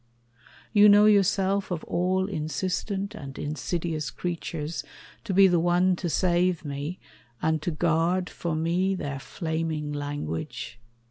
You know yourself, Of all insistent and insidious creatures, To be the one to save me, and to guard For me their flaming language?